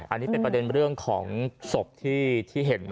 อันนี้เป็นประเด็นเรื่องของศพที่เห็น